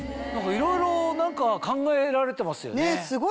いろいろ何か考えられてますよね。